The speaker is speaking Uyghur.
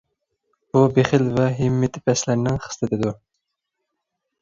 بۇ بېخىل ۋە ھىممىتى پەسلەرنىڭ خىسلىتىدۇر.